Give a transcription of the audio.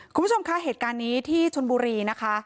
คุณผู้ชมคะเหตุการณ์นี้ที่ชนบุรีนะคะ